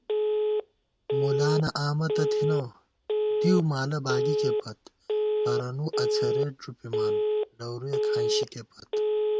مُلانہ امہ تہ تھنہ ، دِؤ مالہ باگِکے پت * ہرَنُو اڅَھرېت ݫُپِمان لَورُیَہ کھانشِکےپت